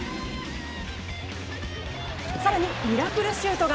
更に、ミラクルシュートが。